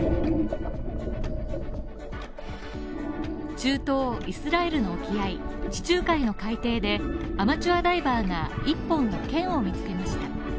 中東イスラエルの沖合地中海の海底で、アマチュアダイバーが１本の剣を見つけました。